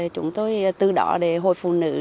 chúng tôi từ đó để hội phụ nữ